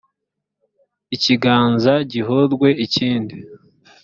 ikiganza gihorwe ikindi,